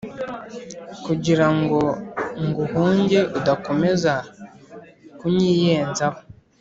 Kugira ngo nguhunge udakomeza kunyiyenzaho